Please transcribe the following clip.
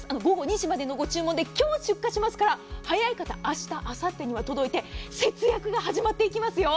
今日２時までの電話で今日、出荷しますから早い方明日、あさってには届いて節約が始まっていきますよ。